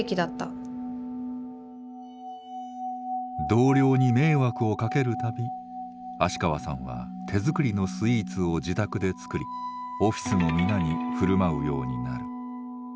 同僚に迷惑をかける度芦川さんは手作りのスイーツを自宅で作りオフィスの皆に振る舞うようになる。